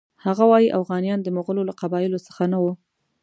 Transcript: هغه وایي اوغانیان د مغولو له قبایلو څخه نه وو.